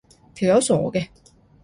條友傻嘅